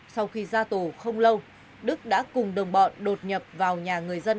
sau khi ra tù không lâu đức đã cùng đồng bọn đột nhập vào nhà người dân